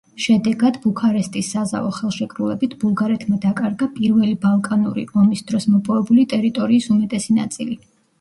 შედეგად, ბუქარესტის საზავო ხელშეკრულებით ბულგარეთმა დაკარგა პირველი ბალკანური ომის დროს მოპოვებული ტერიტორიის უმეტესი ნაწილი.